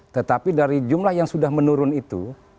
tetapi dari jumlah yang sudah menurun itu